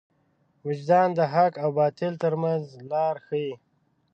وجدان د حق او باطل تر منځ لار ښيي.